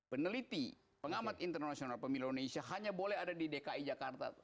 peneliti pengamat internasional pemilu indonesia hanya boleh ada di dki jakarta